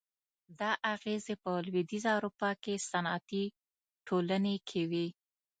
دا اغېزې په لوېدیځه اروپا کې صنعتي ټولنې کې وې.